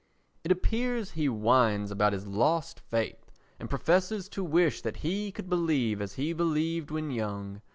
It appears he whines about his lost faith and professes to wish that he could believe as he believed when young.